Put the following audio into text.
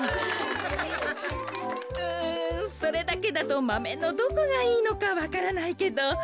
うんそれだけだとマメのどこがいいのかわからないけど。